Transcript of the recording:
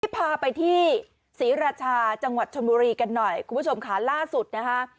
พาไปที่ศรีราชาจังหวัดชนบุรีกันหน่อยคุณผู้ชมค่ะล่าสุดนะคะ